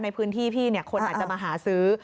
ในพื้นที่พี่คนอาจจะมาหาซื้อ